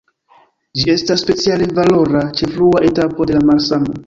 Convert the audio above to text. Ĝi estas speciale valora ĉe frua etapo de la malsano.